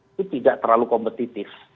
itu tidak terlalu kompetitif